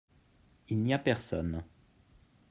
il n'y a personne.